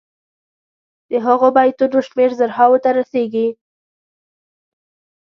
د هغو بیتونو شمېر زرهاوو ته رسيږي.